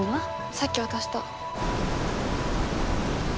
さっき渡した。